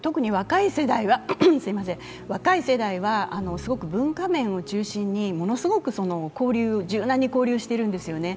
特に若い世代はすごく文化面を中心にものすごく交流、柔軟に交流しているんですよね。